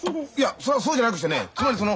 そらそうじゃなくしてねつまりその。